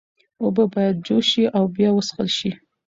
اوبه باید جوش شي او بیا وڅښل شي۔